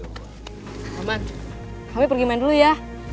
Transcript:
selamat kami pergi main dulu ya